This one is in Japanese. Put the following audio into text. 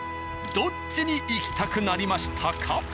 どっちに行きたくなりましたか？